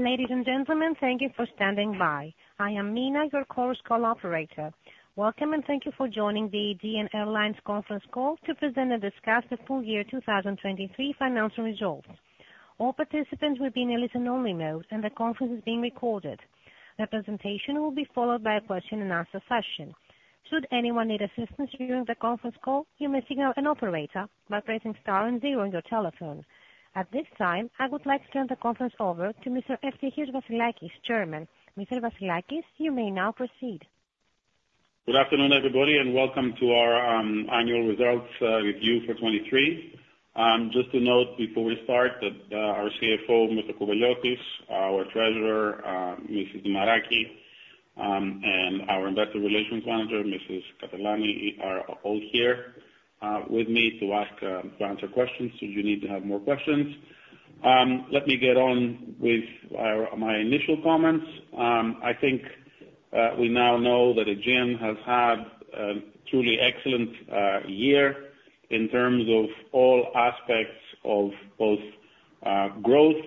Ladies and gentlemen, thank you for standing by. I am Mina, your Chorus Call operator. Welcome, and thank you for joining the Aegean Airlines conference call to present and discuss the full year 2023 financial results. All participants will be in a listen-only mode, and the conference is being recorded. The presentation will be followed by a question and answer session. Should anyone need assistance during the conference call, you may signal an operator by pressing star and zero on your telephone. At this time, I would like to turn the conference over to Mr. Eftichios Vassilakis, Chairman. Mr. Vassilakis, you may now proceed. Good afternoon, everybody, and welcome to our annual results review for 2023. Just to note before we start, that our CFO, Mr. Kouveliotis, our Treasurer, Mrs. Dimaraki, and our Investor Relations Manager, Mrs. Katelani, are all here with me to answer questions should you need to have more questions. Let me get on with my initial comments. I think we now know that Aegean has had a truly excellent year in terms of all aspects of both growth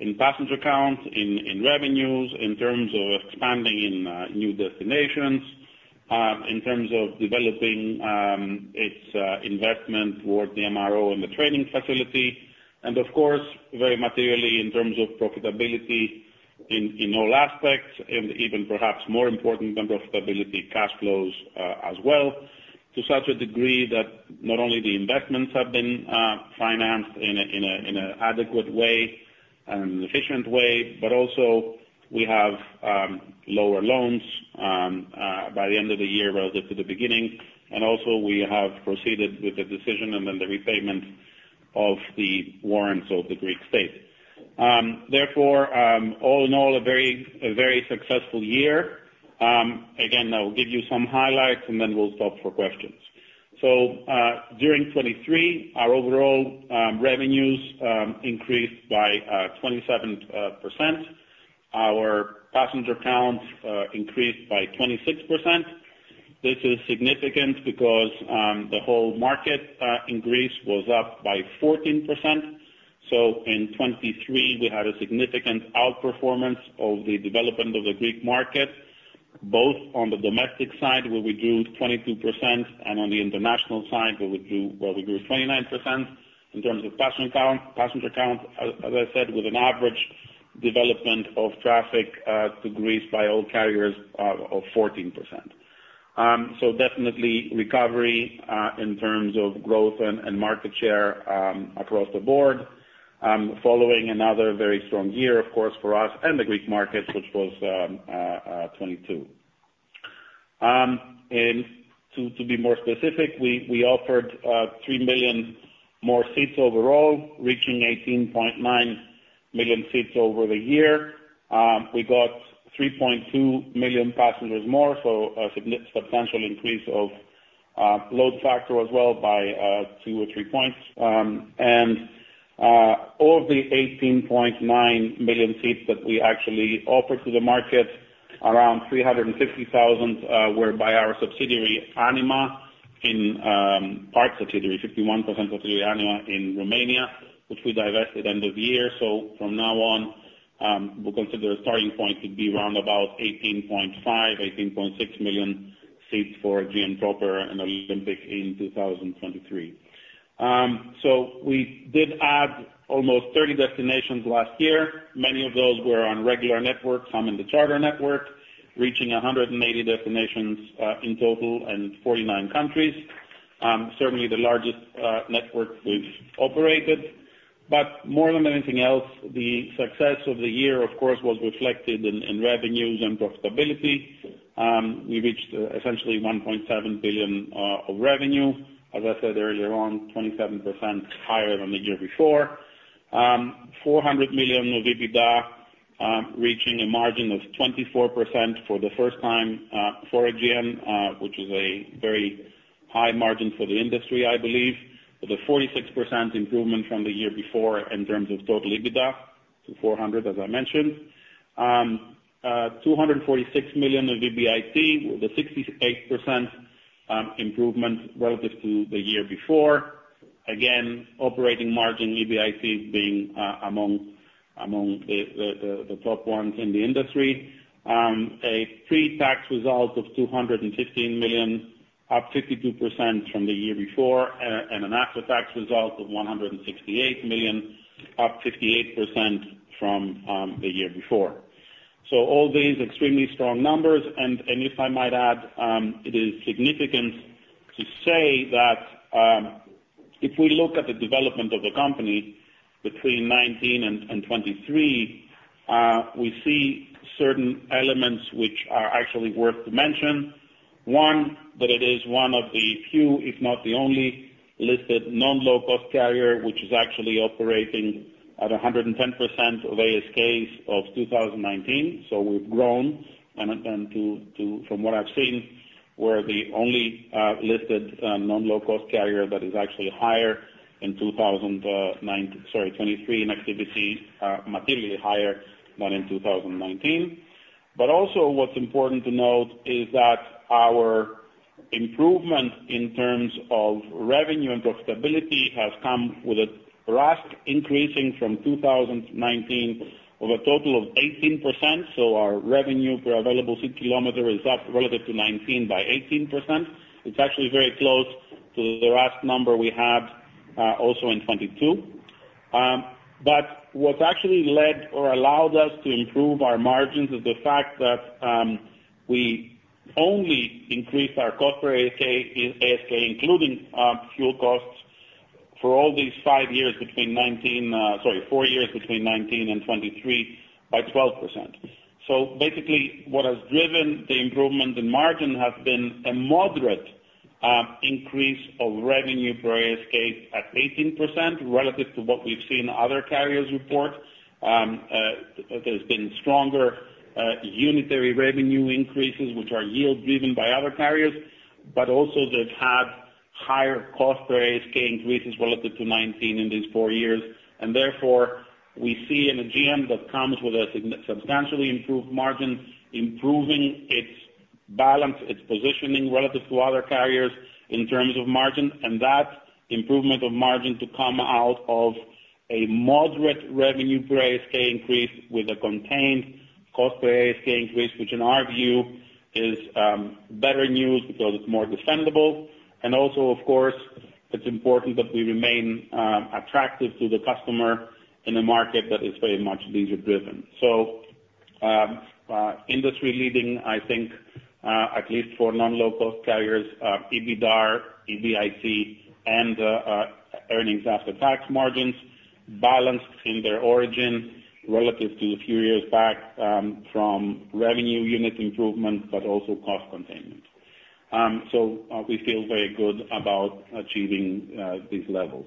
in passenger count, in revenues, in terms of expanding in new destinations, in terms of developing its investment toward the MRO and the training facility, and of course, very materially in terms of profitability in all aspects, and even perhaps more important than profitability, cash flows as well, to such a degree that not only the investments have been financed in an adequate way and an efficient way, but also we have lower loans by the end of the year relative to the beginning. And also we have proceeded with the decision and then the repayment of the warrants of the Greek state. Therefore, all in all, a very, a very successful year. Again, I will give you some highlights, and then we'll stop for questions. So, during 2023, our overall revenues increased by 27%. Our passenger counts increased by 26%. This is significant because the whole market in Greece was up by 14%. So in 2023, we had a significant outperformance of the development of the Greek market, both on the domestic side, where we grew 22%, and on the international side, where we grew, where we grew 29% in terms of passenger count, passenger count, as, as I said, with an average development of traffic to Greece by all carriers of 14%. So definitely recovery in terms of growth and, and market share across the board. Following another very strong year, of course, for us and the Greek market, which was 2022. And to be more specific, we offered 3 million more seats overall, reaching 18.9 million seats over the year. We got 3.2 million passengers more, so a substantial increase of load factor as well by two or three points. And of the 18.9 million seats that we actually offered to the market, around 350,000 were by our subsidiary, Anima, part subsidiary, 51% of Anima in Romania, which we divested end of the year. So from now on, we'll consider our starting point to be around about 18.5, 18.6 million seats for Aegean Proper and Olympic in 2023. So we did add almost 30 destinations last year. Many of those were on regular networks, some in the charter network, reaching 180 destinations in total and 49 countries. Certainly the largest network we've operated. But more than anything else, the success of the year, of course, was reflected in revenues and profitability. We reached essentially 1.7 billion of revenue. As I said earlier on, 27% higher than the year before. 400 million of EBITDA, reaching a margin of 24% for the first time for Aegean, which is a very high margin for the industry, I believe, with a 46% improvement from the year before in terms of total EBITDA to 400 million, as I mentioned. 246 million of EBIT, with a 68% improvement relative to the year before. Again, operating margin, EBIT being among the top ones in the industry. A pre-tax result of 215 million, up 52% from the year before, and an after-tax result of 168 million, up 58% from the year before. So all these extremely strong numbers, and if I might add, it is significant to say that, if we look at the development of the company between 2019 and 2023, we see certain elements which are actually worth to mention. One, that it is one of the few, if not the only, listed non-low cost carrier, which is actually operating at 110% of ASKs of 2019. So we've grown from what I've seen, we're the only listed non-low cost carrier that is actually higher in 2009, sorry, 2023 in activity materially higher than in 2019. But also what's important to note is that our improvement in terms of revenue and profitability has come with a RASK increasing from 2019 of a total of 18%. So our revenue per available seat kilometer is up relative to 2019 by 18%. It's actually very close to the RASK number we had also in 2022. But what's actually led or allowed us to improve our margins is the fact that we only increased our cost per ASK, including fuel costs for all these five years between 2019 sorry, four years between 2019 and 2023 by 12%. So basically, what has driven the improvement in margin has been a moderate increase of revenue per ASK at 18% relative to what we've seen other carriers report. There's been stronger unitary revenue increases, which are yield driven by other carriers, but also they've had higher cost per ASK increases relative to 2019 in these four years. And therefore, we see in Aegean that comes with a substantially improved margin, improving its balance, its positioning relative to other carriers in terms of margin, and that improvement of margin to come out of a moderate revenue per ASK increase with a contained cost per ASK increase, which in our view is better news because it's more defendable. And also, of course, it's important that we remain attractive to the customer in a market that is very much leisure driven. Industry leading, I think, at least for non-local carriers, EBITDA, EBIT and earnings after tax margins balanced in their origin relative to a few years back, from revenue unit improvement, but also cost containment. We feel very good about achieving these levels.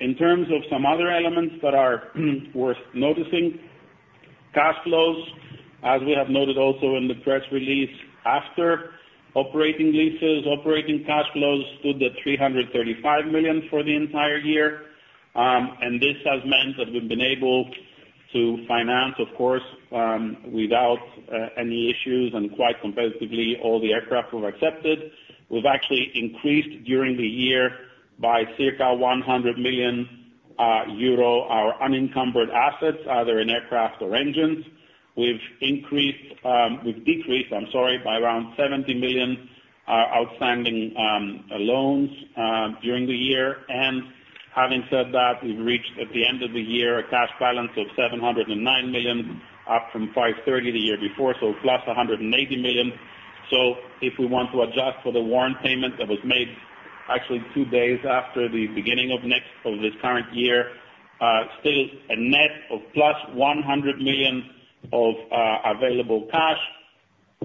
In terms of some other elements that are worth noticing, cash flows, as we have noted also in the press release, after operating leases, operating cash flows stood at 335 million for the entire year. This has meant that we've been able to finance, of course, without any issues and quite competitively, all the aircraft we've accepted. We've actually increased during the year by circa 100 million euro our unencumbered assets, either in aircraft or engines. We've decreased, I'm sorry, by around 70 million outstanding loans during the year. And having said that, we've reached at the end of the year a cash balance of 709 million, up from 530 million the year before, so plus 180 million. So if we want to adjust for the warrant payment that was made actually two days after the beginning of next, of this current year, still a net of plus 100 million of available cash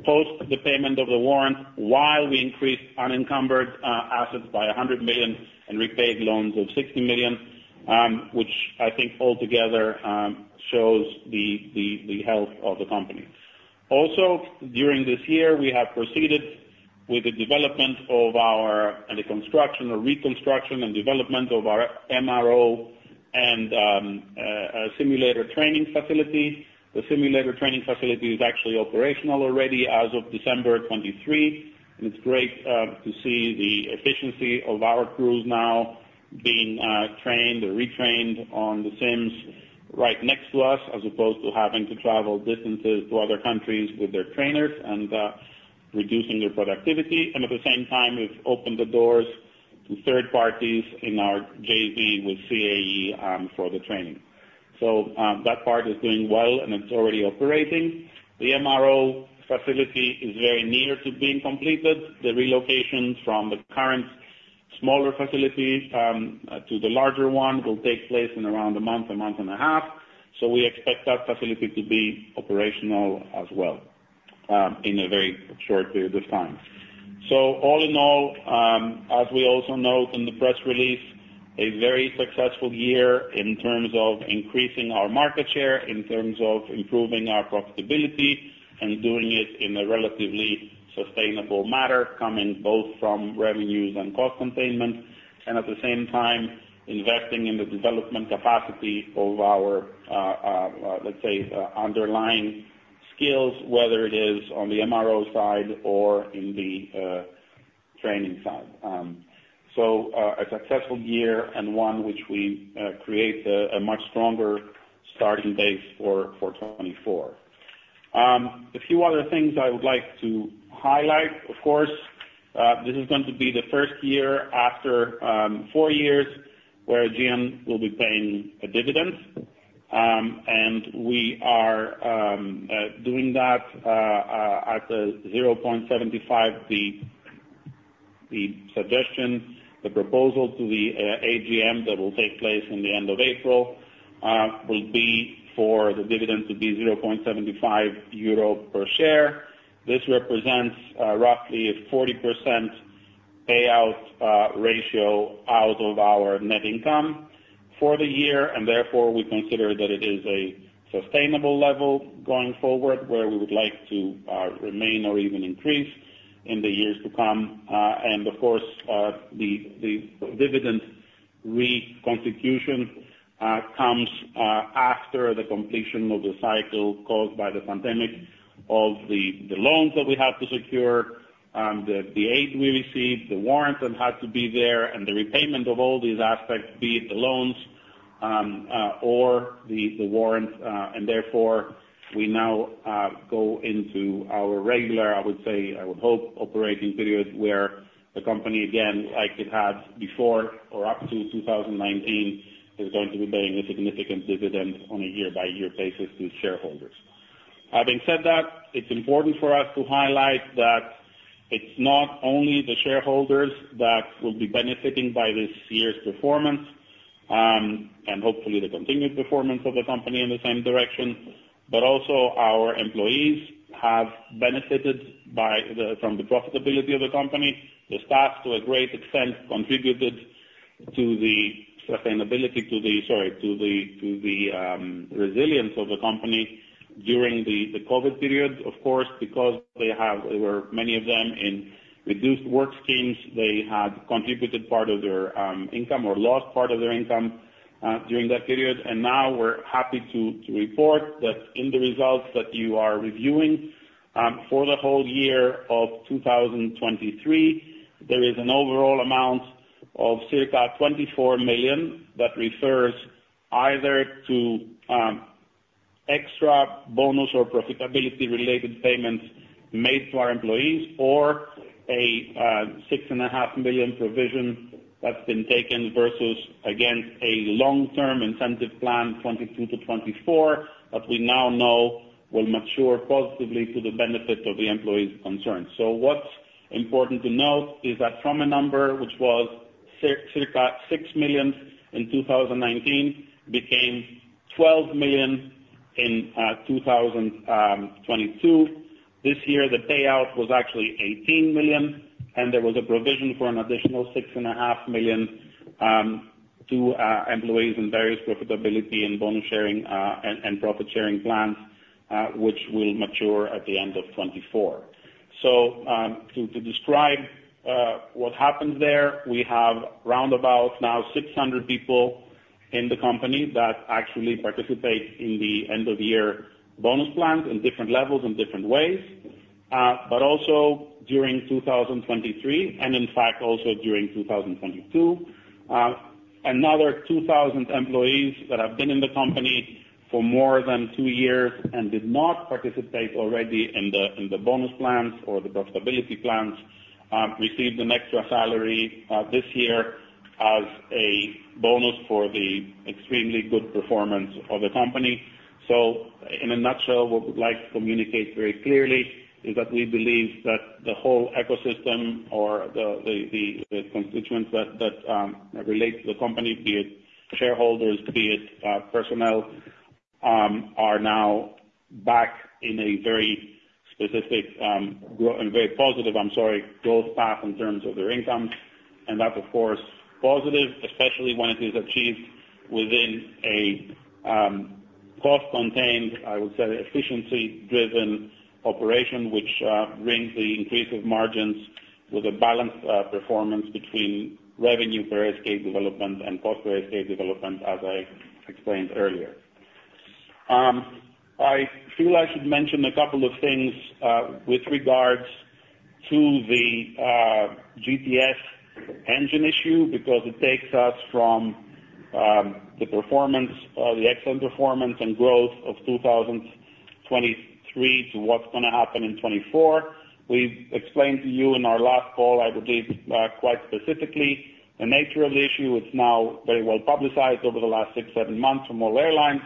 post the payment of the warrant, while we increased unencumbered assets by 100 million and repaid loans of 60 million, which I think altogether shows the health of the company. Also, during this year, we have proceeded with the development of our, and the construction or reconstruction and development of our MRO and, simulator training facility. The simulator training facility is actually operational already as of December 2023, and it's great, to see the efficiency of our crews now being, trained or retrained on the sims right next to us, as opposed to having to travel distances to other countries with their trainers and, reducing their productivity. And at the same time, we've opened the doors to third parties in our JV with CAE, for the training. So, that part is doing well, and it's already operating. The MRO facility is very near to being completed. The relocation from the current smaller facility, to the larger one, will take place in around a month, a month and a half. So we expect that facility to be operational as well, in a very short period of time. So all in all, as we also note in the press release, a very successful year in terms of increasing our market share, in terms of improving our profitability and doing it in a relatively sustainable manner, coming both from revenues and cost containment, and at the same time, investing in the development capacity of our, let's say, underlying skills, whether it is on the MRO side or in the training side. So, a successful year and one which we create a much stronger starting base for 2024. A few other things I would like to highlight. Of course, this is going to be the first year after four years where AGM will be paying a dividend. And we are doing that at 0.75. The suggestion, the proposal to the AGM that will take place at the end of April will be for the dividend to be 0.75 euro per share. This represents roughly a 40% payout ratio out of our net income for the year, and therefore, we consider that it is a sustainable level going forward, where we would like to remain or even increase in the years to come. And of course, the dividend reconstitution comes after the completion of the cycle caused by the pandemic of the loans that we have to secure, the aid we received, the warrants that had to be there, and the repayment of all these aspects, be it the loans or the warrants. And therefore, we now go into our regular, I would say, I would hope, operating period, where the company, again, like it had before or up to 2019, is going to be paying a significant dividend on a year-by-year basis to shareholders. Having said that, it's important for us to highlight that it's not only the shareholders that will be benefiting by this year's performance, and hopefully the continued performance of the company in the same direction, but also our employees have benefited from the profitability of the company. The staff, to a great extent, contributed to the resilience of the company during the COVID period. Of course, because there were many of them in reduced work schemes, they had contributed part of their income or lost part of their income during that period. Now we're happy to report that in the results that you are reviewing, for the whole year of 2023, there is an overall amount of circa 24 million that refers either to extra bonus or profitability-related payments made to our employees, or a six and a half million provision that's been taken versus against a long-term incentive plan, 2022-2024, that we now know will mature positively to the benefit of the employees concerned. So what's important to note is that from a number which was circa 6 million in 2019, became 12 million in 2022. This year, the payout was actually 18 million, and there was a provision for an additional 6.5 million to employees in various profitability and bonus sharing and profit sharing plans, which will mature at the end of 2024. So, to describe what happens there, we have round about now 600 people in the company that actually participate in the end-of-year bonus plans in different levels and different ways. But also during 2023, and in fact, also during 2022, another 2,000 employees that have been in the company for more than two years and did not participate already in the bonus plans or the profitability plans, received an extra salary this year as a bonus for the extremely good performance of the company. So in a nutshell, what we'd like to communicate very clearly is that we believe that the whole ecosystem or the constituents that relate to the company, be it shareholders, be it personnel, are now back in a very specific and very positive, I'm sorry, growth path in terms of their income. And that's, of course, positive, especially when it is achieved within a cost-contained, I would say, efficiency-driven operation, which brings the increase of margins with a balanced performance between revenue per ASK development and cost per ASK development, as I explained earlier. I feel I should mention a couple of things with regards to the GTF engine issue, because it takes us from the performance, the excellent performance and growth of 2023 to what's gonna happen in 2024. We've explained to you in our last call, I believe, quite specifically, the nature of the issue. It's now very well publicized over the last six to seven months from all airlines.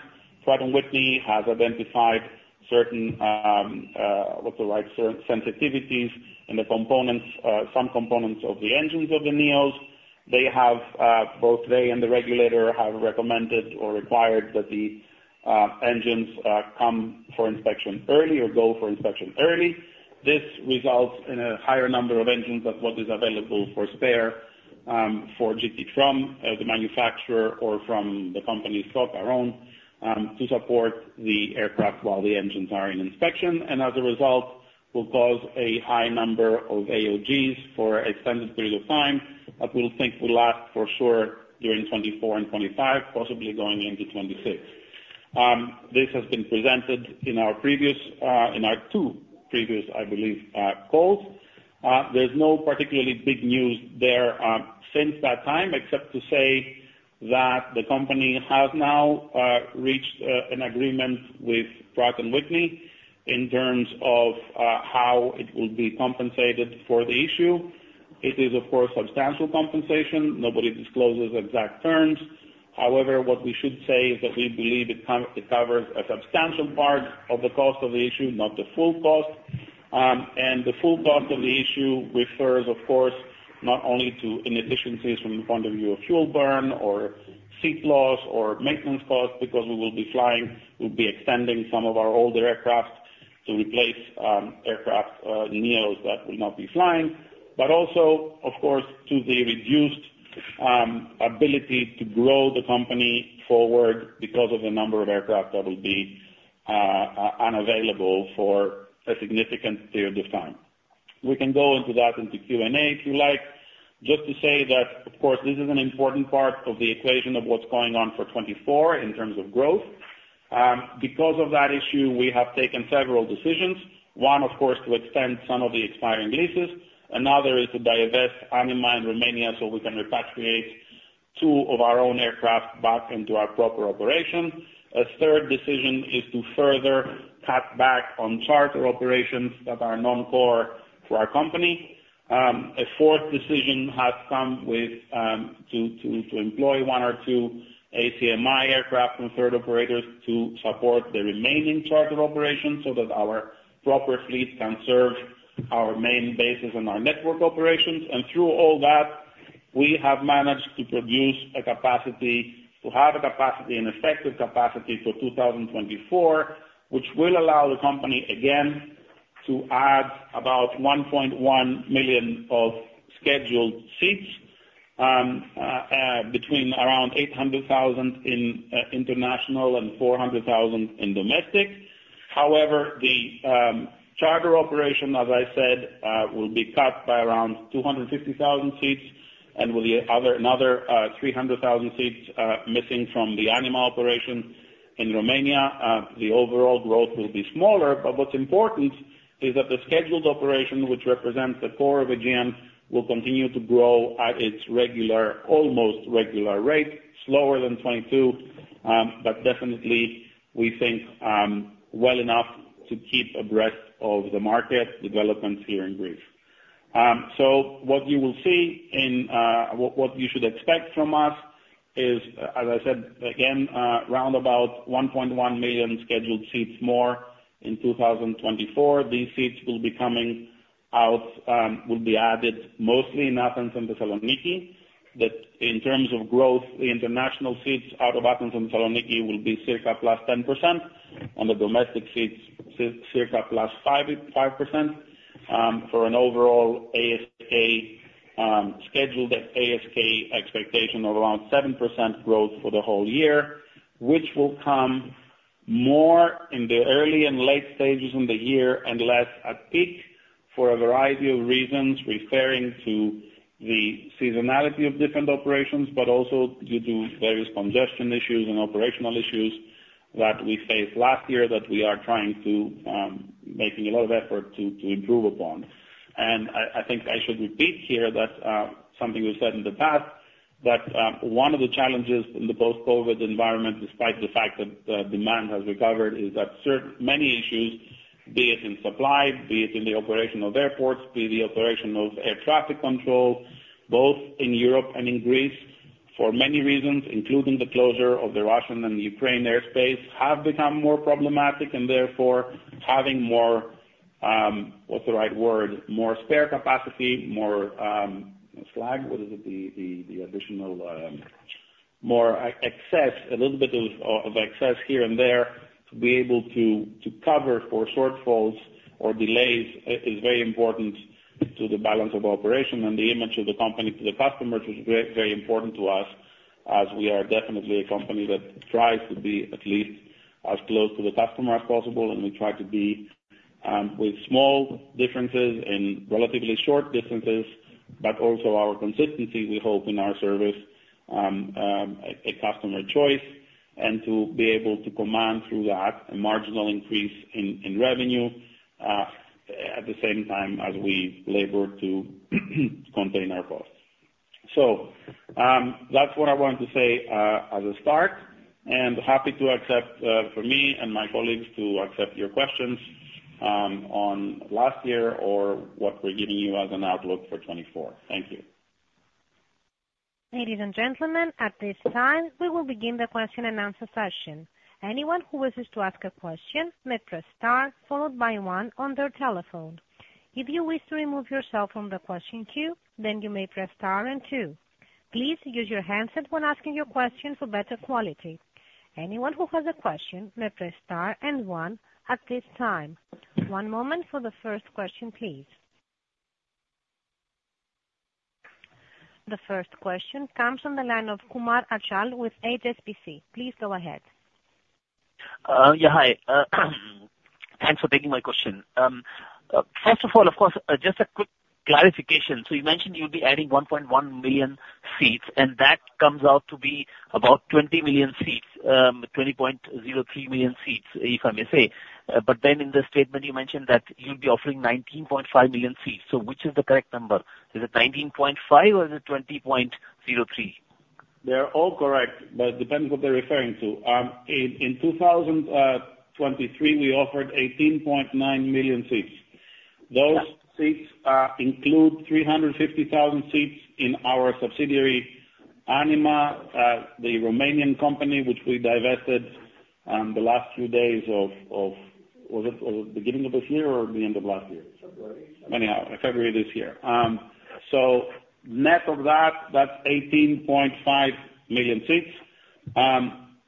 Pratt & Whitney has identified certain sensitivities in the components, some components of the engines of the Neos. They have, both they and the regulator have recommended or required that the engines come for inspection early or go for inspection early. This results in a higher number of engines than what is available for spare, for GT, from the manufacturer or from the company stock our own, to support the aircraft while the engines are in inspection. As a result, will cause a high number of AOGs for an extended period of time, that we'll think will last for sure during 2024 and 2025, possibly going into 2026. This has been presented in our previous, in our two previous, I believe, calls. There's no particularly big news there, since that time, except to say that the company has now reached an agreement with Pratt & Whitney in terms of how it will be compensated for the issue. It is, of course, substantial compensation. Nobody discloses exact terms. However, what we should say is that we believe it covers a substantial part of the cost of the issue, not the full cost. And the full cost of the issue refers, of course, not only to inefficiencies from the point of view of fuel burn or seat loss or maintenance costs, because we will be flying, we'll be extending some of our older aircraft to replace aircraft Neos that will not be flying. But also, of course, to the reduced ability to grow the company forward because of the number of aircraft that will be unavailable for a significant period of time. We can go into that into Q&A, if you like. Just to say that, of course, this is an important part of the equation of what's going on for 2024 in terms of growth. Because of that issue, we have taken several decisions. One, of course, to extend some of the expiring leases. Another is to divest Anima in Romania, so we can repatriate two of our own aircraft back into our proper operation. A third decision is to further cut back on charter operations that are non-core to our company. A fourth decision has come with to employ one or two ACMI aircraft and third operators to support the remaining charter operations, so that our proper fleet can serve our main bases and our network operations. And through all that, we have managed to produce a capacity, to have a capacity, an effective capacity for 2024, which will allow the company again to add about 1.1 million of scheduled seats, between around 800,000 in international and 400,000 in domestic. However, the charter operation, as I said, will be cut by around 250,000 seats and with another 300,000 seats missing from the Anima operation in Romania, the overall growth will be smaller. But what's important is that the scheduled operation, which represents the core of Aegean, will continue to grow at its regular, almost regular rate, slower than 22. But definitely, we think, well enough to keep abreast of the market developments here in Greece. So what you will see in what you should expect from us is, as I said again, round about 1.1 million scheduled seats more in 2024. These seats will be coming out, will be added mostly in Athens and Thessaloniki. But in terms of growth, the international seats out of Athens and Thessaloniki will be circa +10%. On the domestic seats, circa +5%, for an overall ASK, scheduled ASK expectation of around 7% growth for the whole year, which will come more in the early and late stages in the year and less at peak for a variety of reasons, referring to the seasonality of different operations, but also due to various congestion issues and operational issues that we faced last year that we are trying to making a lot of effort to improve upon. I think I should repeat here that something we've said in the past, that one of the challenges in the post-COVID environment, despite the fact that the demand has recovered, is that many issues, be it in supply, be it in the operation of airports, be it the operation of air traffic control, both in Europe and in Greece, for many reasons, including the closure of the Russian and Ukrainian airspace, have become more problematic and therefore having more, what's the right word? More spare capacity, more, slack. What is it? The additional, more excess, a little bit of excess here and there to be able to cover for shortfalls or delays, is very important to the balance of operation and the image of the company to the customers, which is very, very important to us, as we are definitely a company that tries to be at least as close to the customer as possible, and we try to be with small differences in relatively short distances, but also our consistency, we hope in our service, a customer choice, and to be able to command through that a marginal increase in revenue, at the same time as we labor to contain our costs. That's what I wanted to say, as a start, and happy to accept, for me and my colleagues, to accept your questions, on last year or what we're giving you as an outlook for 2024. Thank you. Ladies and gentlemen, at this time, we will begin the question and answer session. Anyone who wishes to ask a question may press star, followed by one on their telephone. If you wish to remove yourself from the question queue, then you may press star and two. Please use your handset when asking your question for better quality. Anyone who has a question may press star and one at this time. One moment for the first question, please. The first question comes from the line of Achal Kumar with HSBC. Please go ahead. Yeah, hi. Thanks for taking my question. First of all, of course, just a quick clarification. So you mentioned you'll be adding 1.1 million seats, and that comes out to be about 20 million seats, 20.03 million seats, if I may say. But then in the statement you mentioned that you'll be offering 19.5 million seats. So which is the correct number? Is it 19.5 or is it 20.03? They're all correct, but it depends what they're referring to. In 2023, we offered 18.9 million seats. Those seats include 350,000 seats in our subsidiary, Anima, the Romanian company, which we divested the last few days of. Was it the beginning of this year or the end of last year? February. Anyhow, February this year. So net of that, that's 18.5 million seats.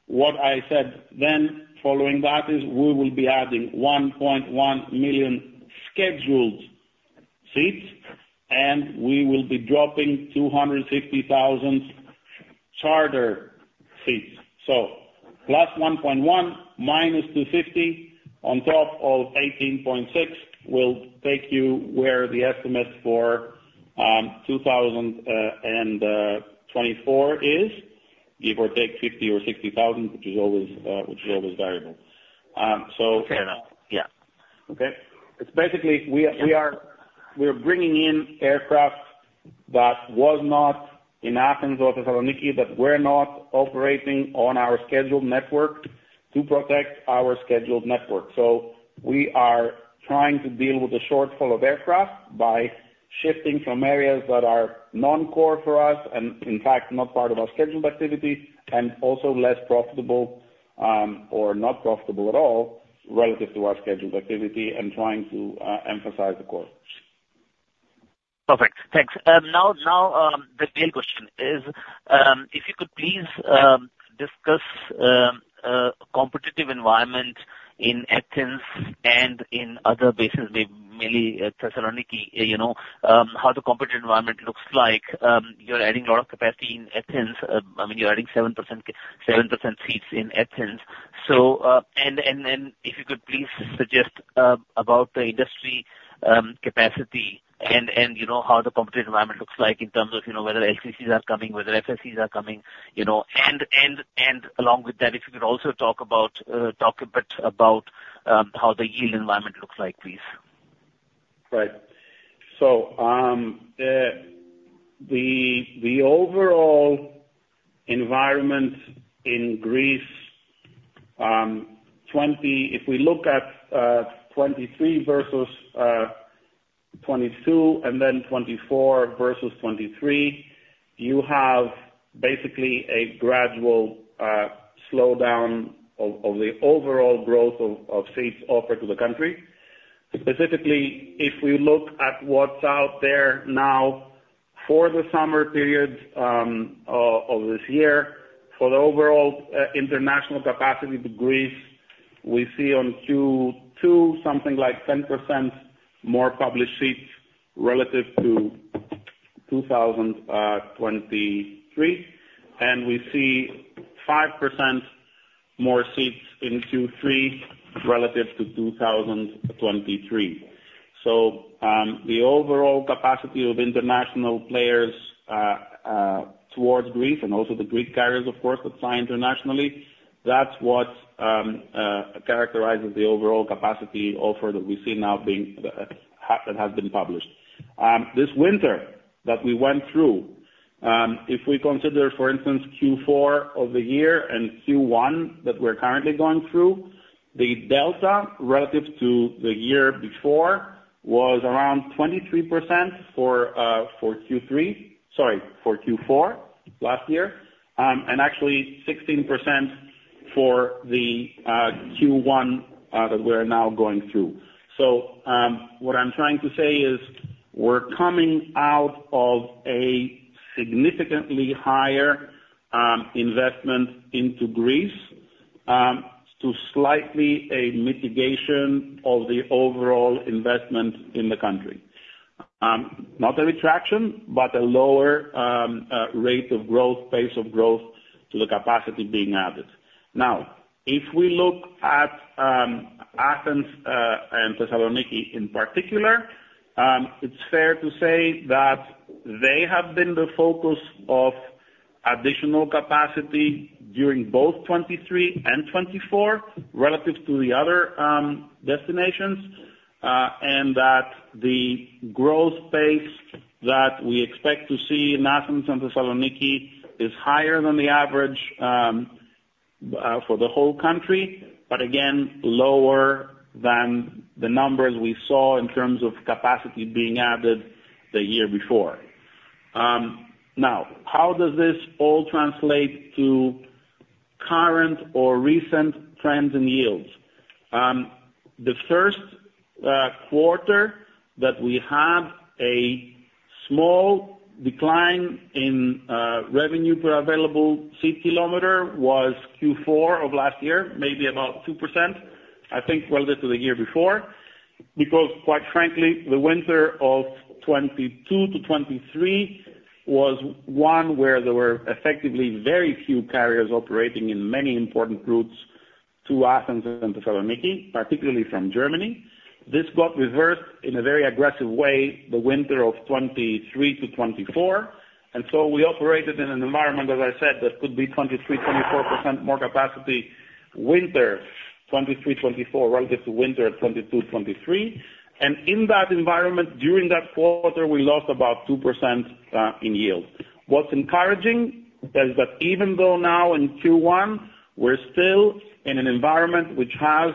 What I said then following that, is we will be adding 1.1 million scheduled seats, and we will be dropping 250,000 charter seats. So plus 1.1, minus 250 on top of 18.6, will take you where the estimate for 2024 is, give or take 50 or 60 thousand, which is always, which is always variable. So- Fair enough. Yeah. Okay. It's basically, we are bringing in aircraft that was not in Athens or Thessaloniki, that we're not operating on our scheduled network to protect our scheduled network. So we are trying to deal with the shortfall of aircraft by shifting from areas that are non-core for us, and in fact, not part of our scheduled activity, and also less profitable, or not profitable at all relative to our scheduled activity and trying to emphasize the core. Perfect. Thanks. Now, the real question is, if you could please discuss a competitive environment in Athens and in other bases, maybe mainly Thessaloniki, you know, how the competitive environment looks like. You're adding a lot of capacity in Athens. I mean, you're adding 7% seats in Athens. So, if you could please suggest about the industry capacity and you know, how the competitive environment looks like in terms of, you know, whether LCCs are coming, whether FSCs are coming, you know, and along with that, if you could also talk a bit about how the yield environment looks like, please. Right. So, the overall environment in Greece. If we look at 2023 versus 2022 and then 2024 versus 2023, you have basically a gradual slowdown of the overall growth of seats offered to the country. Specifically, if we look at what's out there now for the summer period of this year, for the overall international capacity to Greece, we see on Q2 something like 10% more published seats relative to 2023, and we see 5% more seats in Q3 relative to 2023. So, the overall capacity of international players towards Greece and also the Greek carriers, of course, that fly internationally, that's what characterizes the overall capacity offer that we see now being that has been published. This winter that we went through, if we consider, for instance, Q4 of the year and Q1 that we're currently going through, the delta relative to the year before was around 23% for Q4 last year, and actually 16% for the Q1 that we are now going through. So, what I'm trying to say is we're coming out of a significantly higher investment into Greece to slightly a mitigation of the overall investment in the country. Not a retraction, but a lower rate of growth, pace of growth to the capacity being added. Now, if we look at Athens and Thessaloniki in particular, it's fair to say that they have been the focus of additional capacity during both 2023 and 2024, relative to the other destinations. And that the growth pace that we expect to see in Athens and Thessaloniki is higher than the average for the whole country, but again, lower than the numbers we saw in terms of capacity being added the year before. Now, how does this all translate to current or recent trends in yields? The first quarter that we had a small decline in revenue per available seat kilometer was Q4 of last year, maybe about 2%, I think, relative to the year before. Because quite frankly, the winter of 2022 to 2023 was one where there were effectively very few carriers operating in many important routes to Athens and Thessaloniki, particularly from Germany. This got reversed in a very aggressive way, the winter of 2023-2024, and so we operated in an environment, as I said, that could be 23-24% more capacity, winter 2023/2024 relative to winter 2022/2023. And in that environment, during that quarter, we lost about 2% in yield. What's encouraging is that even though now in Q1, we're still in an environment which has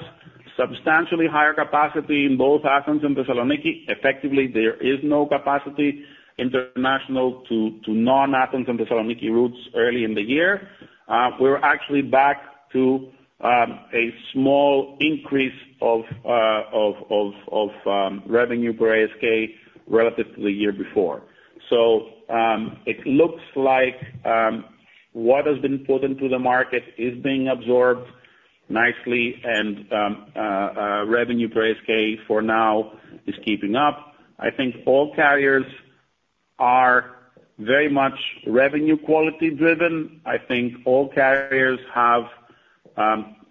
substantially higher capacity in both Athens and Thessaloniki, effectively, there is no capacity international to non-Athens and Thessaloniki routes early in the year. We're actually back to a small increase of revenue per ASK relative to the year before. So, it looks like what has been put into the market is being absorbed nicely and revenue per SK for now is keeping up. I think all carriers are very much revenue quality driven. I think all carriers have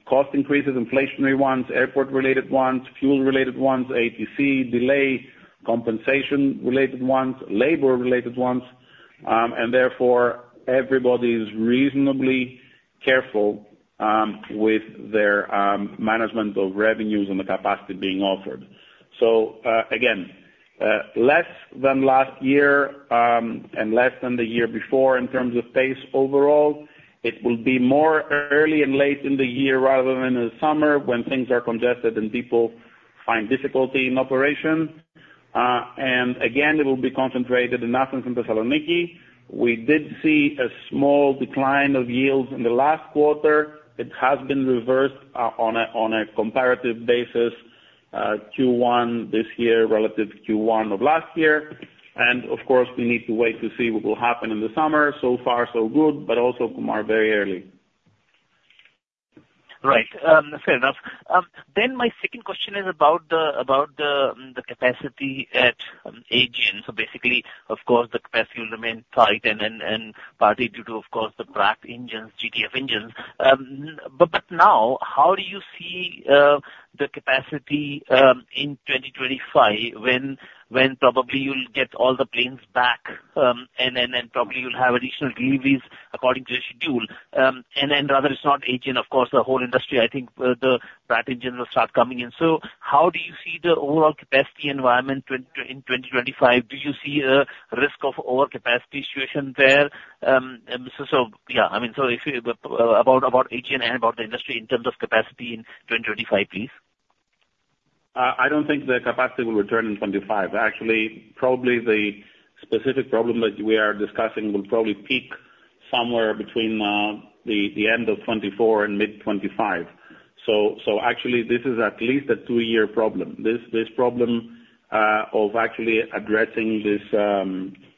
cost increases, inflationary ones, airport-related ones, fuel-related ones, ATC, delay, compensation-related ones, labor-related ones. And therefore, everybody is reasonably careful with their management of revenues and the capacity being offered. So, again, less than last year and less than the year before in terms of pace overall. It will be more early and late in the year, rather than in the summer, when things are congested and people find difficulty in operation. And again, it will be concentrated in Athens and Thessaloniki. We did see a small decline of yields in the last quarter. It has been reversed on a, on a comparative basis Q1 this year relative to Q1 of last year. Of course, we need to wait to see what will happen in the summer. So far, so good, but also, Kumar, very early. Right. Fair enough. Then my second question is about the capacity at Aegean. So basically, of course, the capacity will remain tight and partly due to, of course, the Pratt engines, GTF engines. But now, how do you see the capacity in 2025, when probably you'll get all the planes back, and then probably you'll have additional deliveries according to the schedule? And then rather it's not Aegean, of course, the whole industry, I think, the Pratt engine will start coming in. So how do you see the overall capacity environment in 2025? Do you see a risk of overcapacity situation there? And so, I mean, so if you about Aegean and about the industry in terms of capacity in 2025, please. I don't think the capacity will return in 2025. Actually, probably the specific problem that we are discussing will probably peak somewhere between the end of 2024 and mid-2025. So actually this is at least a two-year problem. This problem of actually addressing this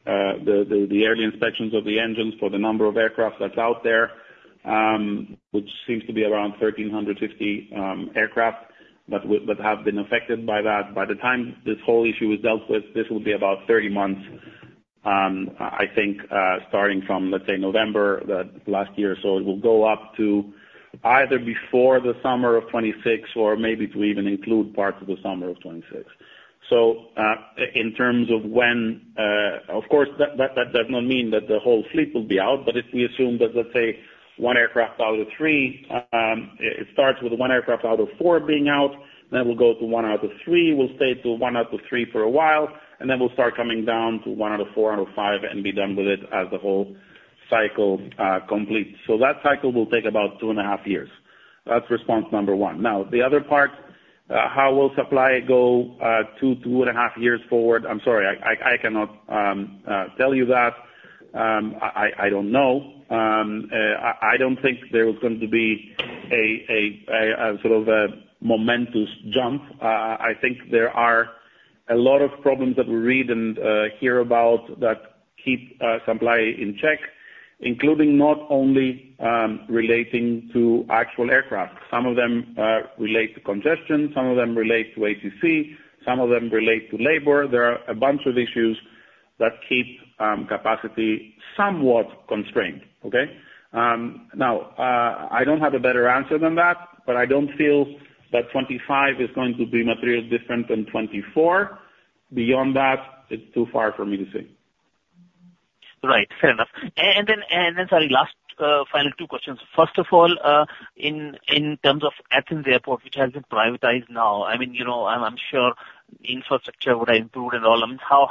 the early inspections of the engines for the number of aircraft that's out there, which seems to be around 1,350 aircraft that have been affected by that. By the time this whole issue is dealt with, this will be about 30 months, I think, starting from, let's say, November, the last year or so. It will go up to either before the summer of 2026 or maybe to even include parts of the summer of 2026. So in terms of when of course, that does not mean that the whole fleet will be out, but if we assume that, let's say one aircraft out of three, it starts with one aircraft out of four being out, then we'll go to one out of three. We'll stay to one out of three for a while, and then we'll start coming down to one out of four, out of five, and be done with it as the whole cycle completes. So that cycle will take about two and a half years. That's response number one. Now, the other part, how will supply go, two and a half years forward? I'm sorry, I cannot tell you that. I don't know. I don't think there is going to be a sort of a momentous jump. I think there are a lot of problems that we read and hear about that keep supply in check, including not only relating to actual aircraft. Some of them relate to congestion, some of them relate to ATC, some of them relate to labor. There are a bunch of issues that keep capacity somewhat constrained. Okay? Now, I don't have a better answer than that, but I don't feel that 2025 is going to be materially different than 2024. Beyond that, it's too far for me to say. Right. Fair enough. And then, sorry, final two questions. First of all, in terms of Athens Airport, which has been privatized now, I mean, you know, I'm sure infrastructure would improve and all.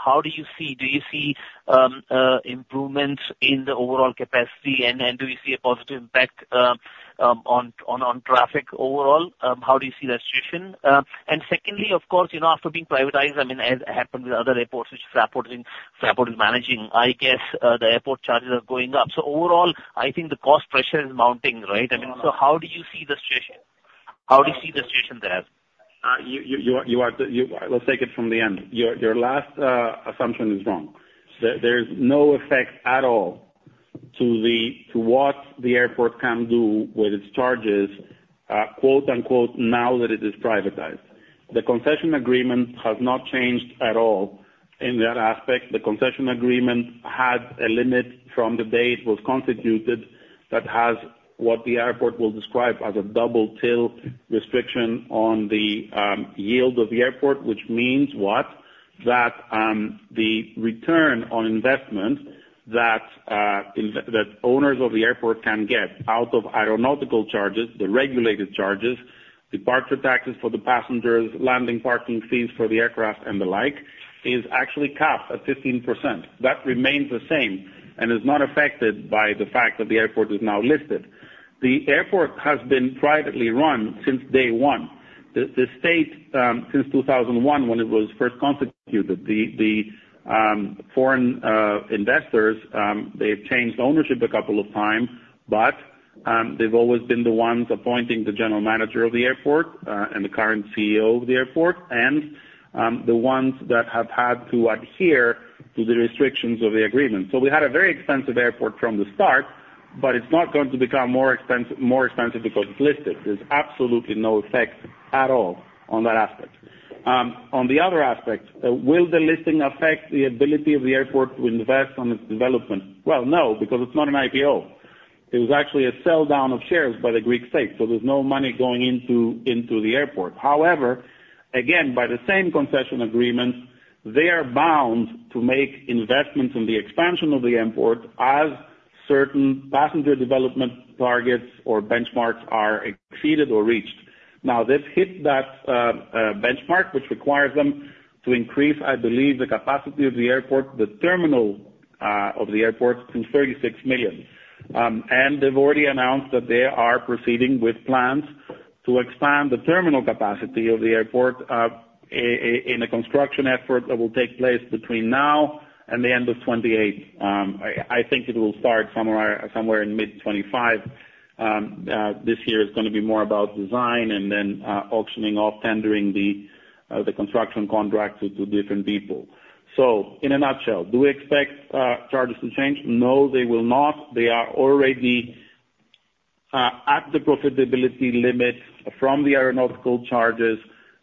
How do you see, do you see improvements in the overall capacity? And do you see a positive impact on traffic overall? How do you see that situation? And secondly, of course, you know, after being privatized, I mean, as happened with other airports, which Fraport is managing, I guess, the airport charges are going up. So overall, I think the cost pressure is mounting, right? I mean, so how do you see the situation? How do you see the situation there? Let's take it from the end. Your last assumption is wrong. There's no effect at all to what the airport can do with its charges, quote unquote, "Now that it is privatized." The concession agreement has not changed at all in that aspect. The concession agreement had a limit from the day it was constituted, that has what the airport will describe as a double till restriction on the yield of the airport. Which means what? That the return on investment that owners of the airport can get out of aeronautical charges, the regulated charges, departure taxes for the passengers, landing parking fees for the aircraft and the like, is actually capped at 15%. That remains the same and is not affected by the fact that the airport is now listed. The airport has been privately run since day one. The state, since 2001, when it was first constituted, the foreign investors, they've changed ownership a couple of times, but, they've always been the ones appointing the general manager of the airport, and the current CEO of the airport, and, the ones that have had to adhere to the restrictions of the agreement. So we had a very expensive airport from the start, but it's not going to become more expensive because it's listed. There's absolutely no effect at all on that aspect. On the other aspect, will the listing affect the ability of the airport to invest on its development? Well, no, because it's not an IPO. It was actually a sell down of shares by the Greek state, so there's no money going into the airport. However, again, by the same concession agreement, they are bound to make investments in the expansion of the airport as certain passenger development targets or benchmarks are exceeded or reached. Now, they've hit that benchmark, which requires them to increase, I believe, the capacity of the airport, the terminal of the airport, to 36 million. And they've already announced that they are proceeding with plans to expand the terminal capacity of the airport in a construction effort that will take place between now and the end of 2028. I think it will start somewhere in mid-2025. This year is gonna be more about design and then auctioning off, tendering the construction contract to different people. So in a nutshell, do we expect charges to change? No, they will not. They are already at the profitability limits from the aeronautical charges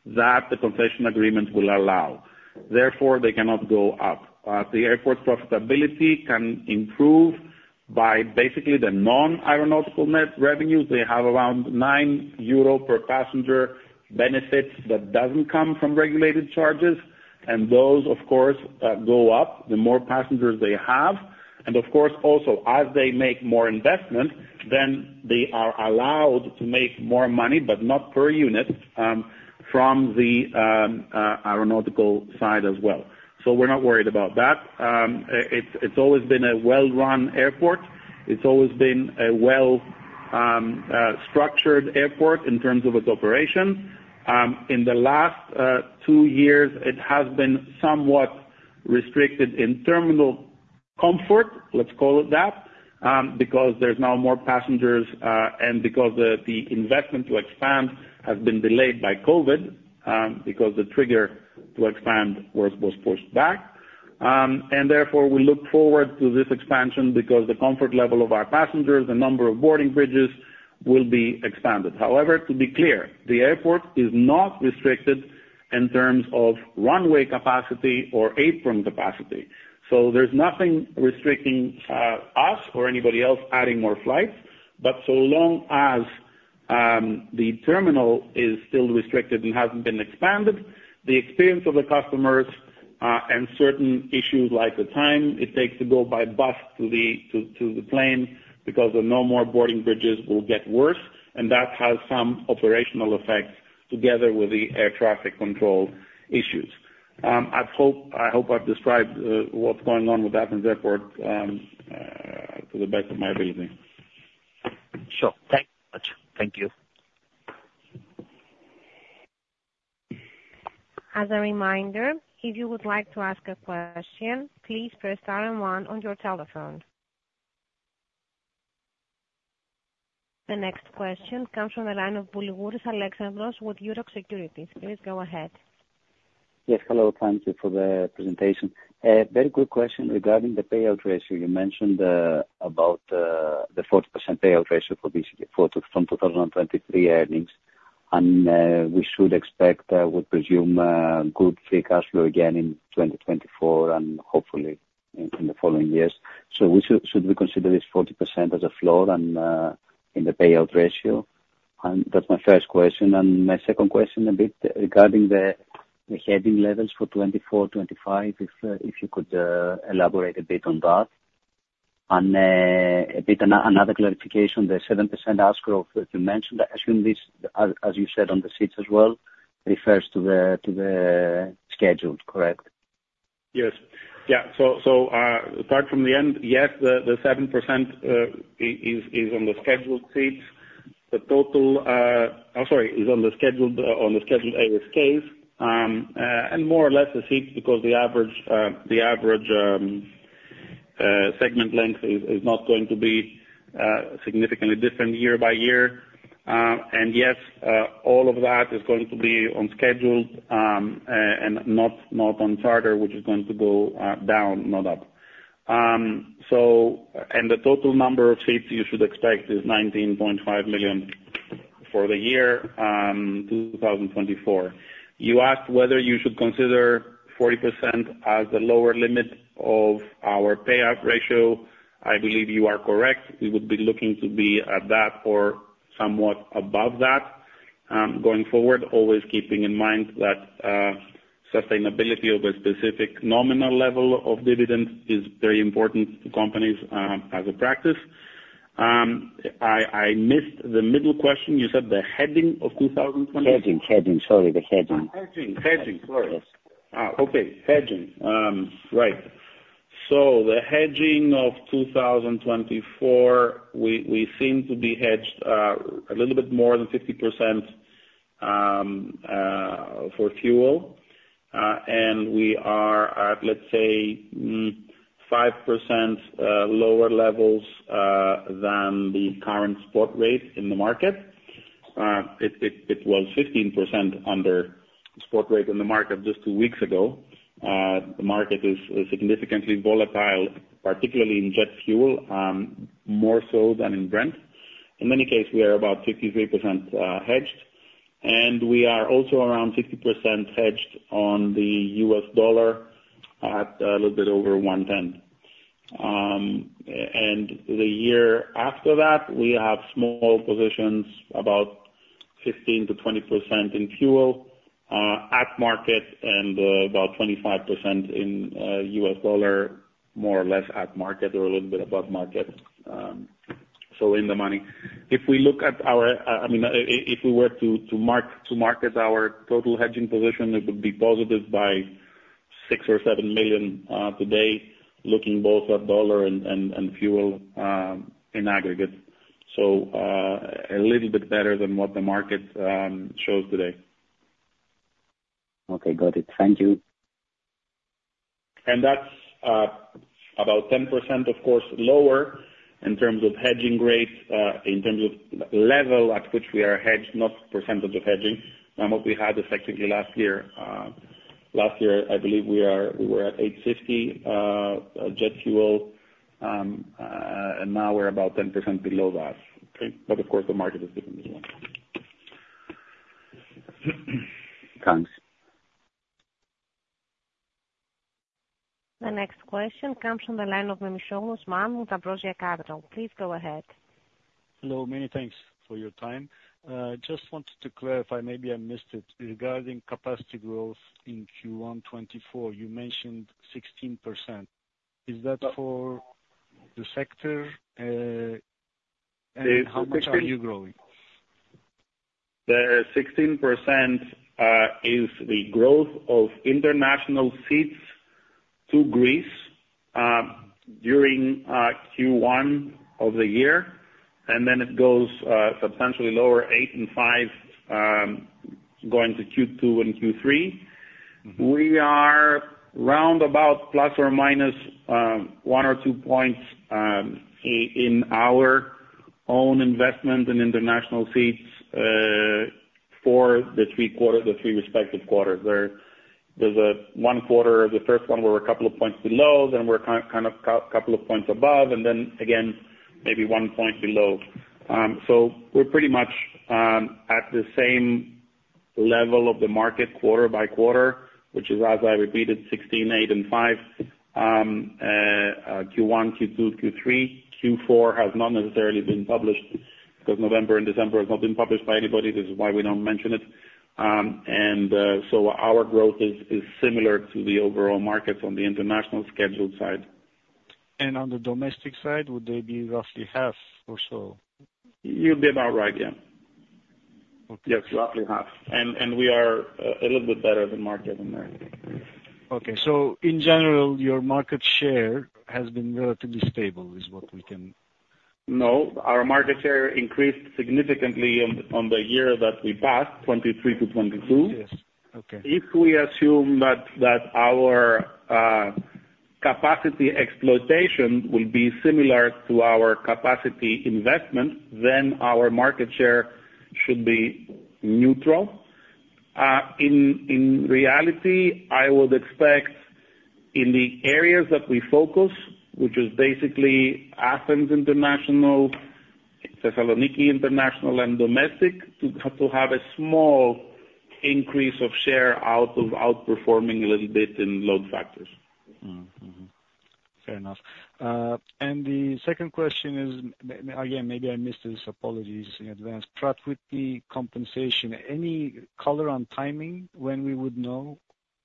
that the concession agreement will allow. Therefore, they cannot go up. The airport profitability can improve by basically the non-aeronautical net revenues. They have around 9 euro per passenger benefit that doesn't come from regulated charges, and those of course go up the more passengers they have. And of course, also, as they make more investment, then they are allowed to make more money, but not per unit, from the aeronautical side as well. So we're not worried about that. It's always been a well-run airport. It's always been a well structured airport in terms of its operation. In the last two years, it has been somewhat restricted in terminal comfort, let's call it that, because there's now more passengers, and because the investment to expand has been delayed by COVID, because the trigger to expand was pushed back. And therefore, we look forward to this expansion because the comfort level of our passengers, the number of boarding bridges, will be expanded. However, to be clear, the airport is not restricted in terms of runway capacity or apron capacity, so there's nothing restricting us or anybody else adding more flights. But so long as the terminal is still restricted and hasn't been expanded, the experience of the customers and certain issues, like the time it takes to go by bus to the plane, because there are no more boarding bridges, will get worse, and that has some operational effects together with the air traffic control issues. I hope, I hope I've described what's going on with Athens Airport to the best of my ability. Sure. Thank you much. Thank you. As a reminder, if you would like to ask a question, please press star and one on your telephone. The next question comes from the line of Alexandros Boulougouris with Euroxx Securities. Please go ahead. Yes, hello. Thank you for the presentation. Very quick question regarding the payout ratio. You mentioned about the 40% payout ratio from 2023 earnings, and we should expect, I would presume, good free cash flow again in 2024 and hopefully in the following years. So, should we consider this 40% as a floor in the payout ratio? And that's my first question. And my second question, a bit regarding the hedging levels for 2024, 2025, if you could elaborate a bit on that. And another clarification, the 7% ASK growth that you mentioned, I assume this, as you said, on the seats as well, refers to the scheduled, correct? Yes. Yeah. So, apart from the end, yes, the 7% is on the scheduled seats. The total... I'm sorry, is on the scheduled ASKs. And more or less the seats, because the average segment length is not going to be significantly different year by year. And yes, all of that is going to be on schedule, and not on charter, which is going to go down, not up. So, and the total number of seats you should expect is 19.5 million for the year 2024. You asked whether you should consider 40% as the lower limit of our payout ratio. I believe you are correct. We would be looking to be at that or somewhat above that, going forward, always keeping in mind that, sustainability of a specific nominal level of dividends is very important to companies, as a practice. I missed the middle question. You said the heading of 2020. Hedging, hedging. Sorry, the hedging. Oh, hedging. Hedging, sorry. Yes. Ah, okay. Hedging. Right. So the hedging of 2024, we seem to be hedged a little bit more than 50% for fuel. And we are at, let's say, 5% lower levels than the current spot rate in the market. It was 15% under spot rate in the market just two weeks ago. The market is significantly volatile, particularly in jet fuel, more so than in Brent. In any case, we are about 53% hedged, and we are also around 50% hedged on the US dollar at a little bit over 1.10. And the year after that, we have small positions, about 15%-20% in fuel, at market and, about 25% in US dollar, more or less at market or a little bit above market, so in the money. If we look at our, I mean, if we were to mark to market our total hedging position, it would be positive by 6-7 million today, looking both at dollar and fuel, in aggregate. So, a little bit better than what the market shows today. Okay, got it. Thank you. And that's about 10%, of course, lower in terms of hedging rates, in terms of level at which we are hedged, not percentage of hedging, than what we had effectively last year. Last year, I believe we were at $850 jet fuel, and now we're about 10% below that. Okay. But of course, the market is different as well. Thanks. The next question comes from the line of Osman Memisoglu with Ambrosia Capital. Please go ahead. Hello, many thanks for your time. Just wanted to clarify, maybe I missed it, regarding capacity growth in Q1 2024, you mentioned 16%. Is that for the sector? Uh, 16. How much are you growing? The 16% is the growth of international seats to Greece during Q1 of the year, and then it goes substantially lower, 8% and 5%, going to Q2 and Q3. We are round about plus or minus, one or two points, in our own investment in international seats, for the three quarters, the three respective quarters. There's one quarter, the first one, we're a couple of points below, then we're kind of couple of points above, and then again, maybe one point below. So we're pretty much at the same level of the market, quarter by quarter, which is, as I repeated, 16, 8, and 5, Q1, Q2, Q3. Q4 has not necessarily been published, because November and December has not been published by anybody, this is why we don't mention it. And so our growth is similar to the overall market on the international scheduled side. On the domestic side, would they be roughly half or so? You'd be about right, yeah. Okay. Yes, roughly half. And we are a little bit better than market in there. Okay. So in general, your market share has been relatively stable, is what we can? No, our market share increased significantly on the year that we passed, 2023 to 2022. Yes. Okay. If we assume that our capacity exploitation will be similar to our capacity investment, then our market share should be neutral. In reality, I would expect in the areas that we focus, which is basically Athens International, Thessaloniki International and domestic, to have a small increase of share out of outperforming a little bit in load factors. Fair enough. And the second question is, again, maybe I missed this. Apologies in advance. Pratt & Whitney compensation, any color on timing, when we would know,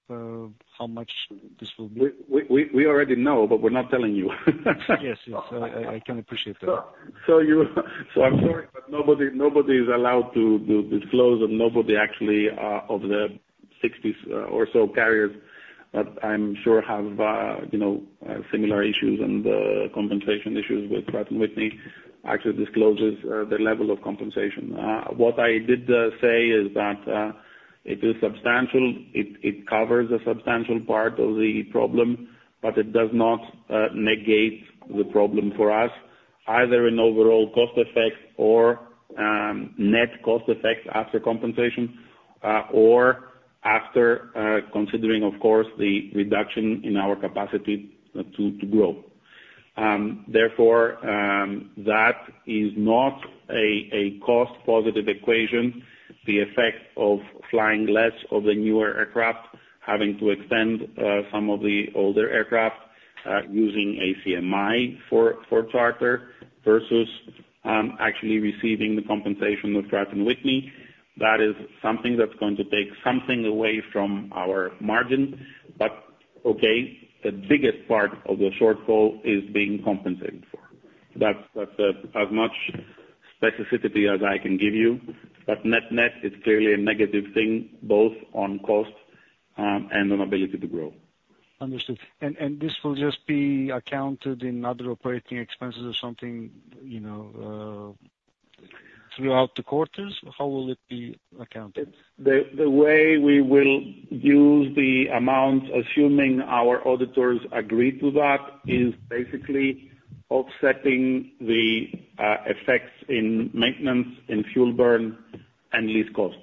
how much this will be? We already know, but we're not telling you. Yes, yes. I can appreciate that. So you... So I'm sorry, but nobody, nobody is allowed to disclose, and nobody actually, of the 60 or so carriers, that I'm sure have, you know, similar issues and compensation issues with Pratt & Whitney, actually discloses the level of compensation. What I did say is that it is substantial, it covers a substantial part of the problem, but it does not negate the problem for us, either in overall cost effect or net cost effect after compensation, or after considering of course the reduction in our capacity to grow. Therefore, that is not a cost-positive equation. The effect of flying less of the newer aircraft, having to extend some of the older aircraft, using ACMI for charter versus actually receiving the compensation with Pratt & Whitney. That is something that's going to take something away from our margin. But okay, the biggest part of the shortfall is being compensated for. That's as much specificity as I can give you, but net-net, it's clearly a negative thing, both on cost, and on ability to grow. Understood. This will just be accounted in other operating expenses or something, you know, throughout the quarters? How will it be accounted? The way we will use the amount, assuming our auditors agree to that, is basically offsetting the effects in maintenance, in fuel burn, and lease costs.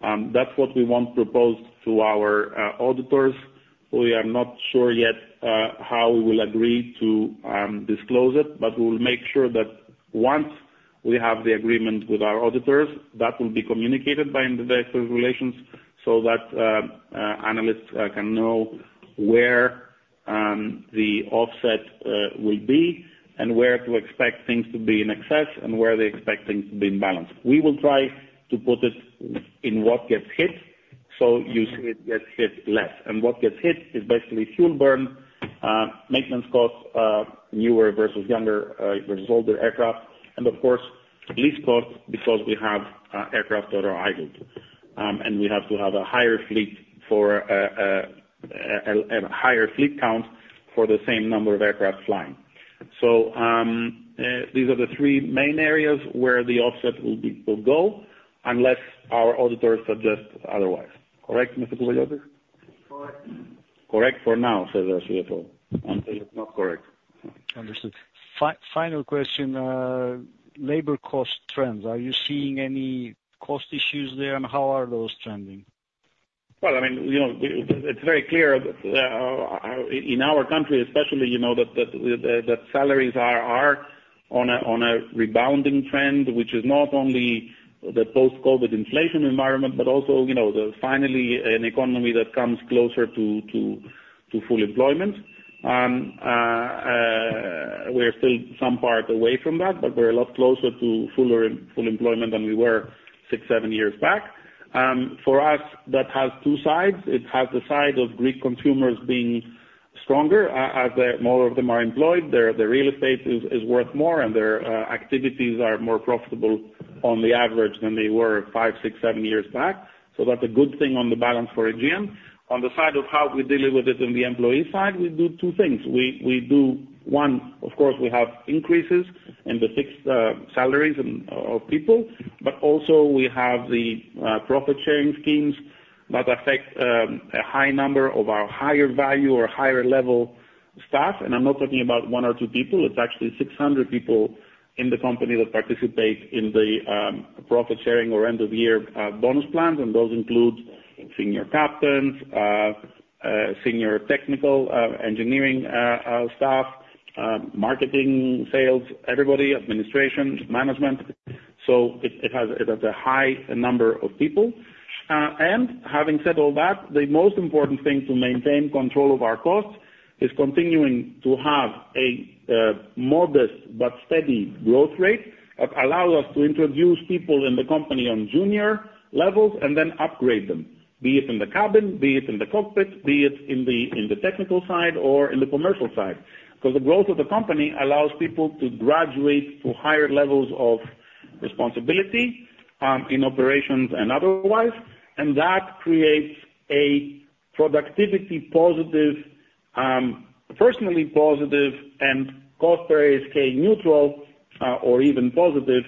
That's what we want proposed to our auditors. We are not sure yet how we will agree to disclose it, but we will make sure that once we have the agreement with our auditors, that will be communicated by investor relations, so that analysts can know where the offset will be and where to expect things to be in excess and where they expect things to be in balance. We will try to put it in what gets hit, so you see it gets hit less. And what gets hit is basically fuel burn, maintenance costs, newer versus younger, versus older aircraft, and of course, lease costs, because we have, aircraft that are idle. And we have to have a higher fleet for a higher fleet count for the same number of aircraft flying. So, these are the three main areas where the offset will be, will go, unless our auditors suggest otherwise. Correct, Mr. Kouveliotis? Correct. Correct for now, says our CFO. Until it's not correct. Understood. Final question, labor cost trends, are you seeing any cost issues there? And how are those trending? Well, I mean, you know, we, it's very clear that in our country especially, you know, that salaries are on a rebounding trend, which is not only the post-COVID inflation environment, but also, you know, the finally an economy that comes closer to full employment. We're still some part away from that, but we're a lot closer to full employment than we were 6, 7 years back. For us, that has two sides. It has the side of Greek consumers being stronger, as more of them are employed, their real estate is worth more, and their activities are more profitable on the average than they were 5, 6, 7 years back. So that's a good thing on the balance for Aegean. On the side of how we deal with it on the employee side, we do two things. We do one, of course, we have increases in the fixed salaries and of people, but also we have the profit-sharing schemes that affect a high number of our higher value or higher level staff. And I'm not talking about one or two people. It's actually 600 people in the company that participate in the profit sharing or end of year bonus plan, and those include senior captains, senior technical engineering staff, marketing, sales, everybody, administration, management. So it has a high number of people. And having said all that, the most important thing to maintain control of our costs is continuing to have a modest but steady growth rate, that allow us to introduce people in the company on junior levels and then upgrade them, be it in the cabin, be it in the cockpit, be it in the technical side or in the commercial side. Because the growth of the company allows people to graduate to higher levels of responsibility in operations and otherwise, and that creates a productivity positive, personally positive and cost per ASK neutral, or even positive,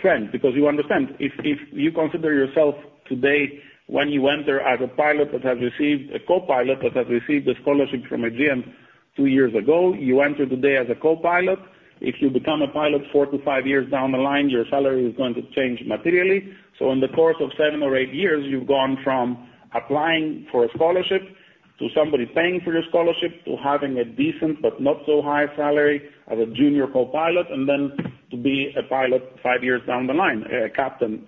trend. Because you understand, if you consider yourself today, when you enter as a pilot that has received a co-pilot, that has received a scholarship from Aegean two years ago, you enter today as a co-pilot. If you become a pilot four to five years down the line, your salary is going to change materially. So in the course of seven or eight years, you've gone from applying for a scholarship to somebody paying for your scholarship, to having a decent but not so high salary as a junior co-pilot, and then to be a pilot five years down the line, captain,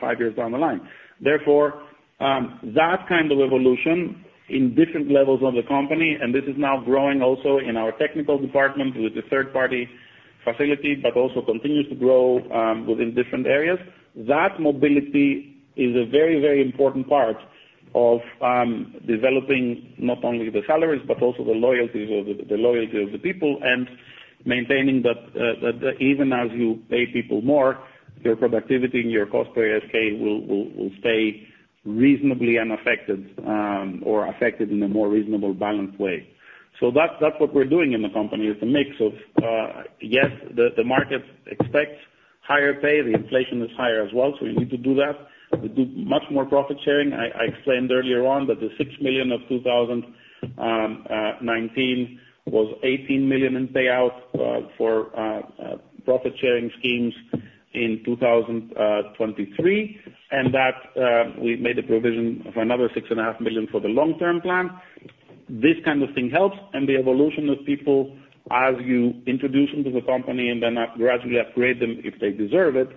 five years down the line. Therefore, that kind of evolution in different levels of the company, and this is now growing also in our technical department with the third party facility, but also continues to grow, within different areas. That mobility is a very, very important part of developing not only the salaries, but also the loyalties of the loyalty of the people and maintaining that even as you pay people more, your productivity and your cost per ASK will stay reasonably unaffected or affected in a more reasonable, balanced way. So that's what we're doing in the company, is a mix of yes, the market expects higher pay, the inflation is higher as well, so we need to do that. We do much more profit sharing. I explained earlier on that the 6 million of 2019 was 18 million in payout for profit sharing schemes in 2023. And that we made a provision of another 6.5 million for the long-term plan. This kind of thing helps, and the evolution of people as you introduce them to the company and then gradually upgrade them if they deserve it,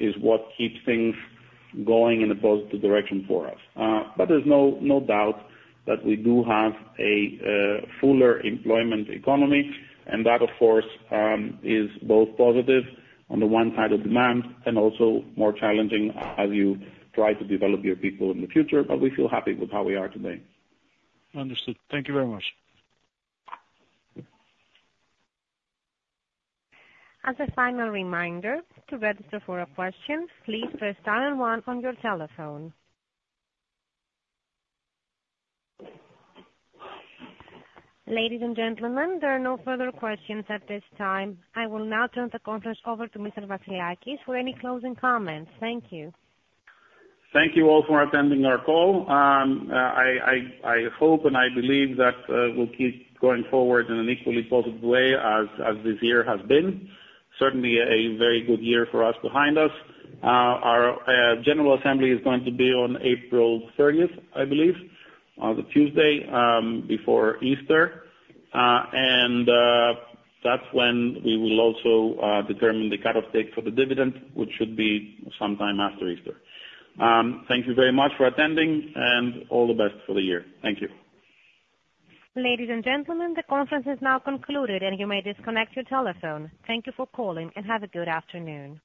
is what keeps things going in a positive direction for us. But there's no doubt that we do have a fuller employment economy, and that, of course, is both positive on the one side of demand and also more challenging as you try to develop your people in the future, but we feel happy with how we are today. Understood. Thank you very much. As a final reminder, to register for a question, please press star and one on your telephone. Ladies and gentlemen, there are no further questions at this time. I will now turn the conference over to Mr. Vassilakis for any closing comments. Thank you. Thank you all for attending our call. I hope and I believe that we'll keep going forward in an equally positive way as this year has been. Certainly a very good year for us behind us. Our general assembly is going to be on April thirtieth, I believe, the Tuesday before Easter. That's when we will also determine the cut-off date for the dividend, which should be sometime after Easter. Thank you very much for attending, and all the best for the year. Thank you. Ladies and gentlemen, the conference is now concluded, and you may disconnect your telephone. Thank you for calling, and have a good afternoon.